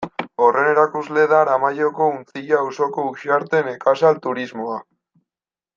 Horren erakusle da Aramaioko Untzilla auzoko Uxarte Nekazal Turismoa.